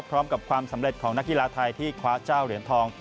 ความสำเร็จของนักกีฬาไทยที่คว้าเจ้าเหรียญทอง